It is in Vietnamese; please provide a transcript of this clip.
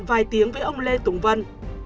vài tiếng với ông lê tùng vân